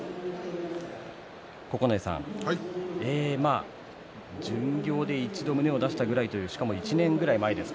九重さん、巡業で一度、胸を出したぐらいしかも、１年ぐらい前です。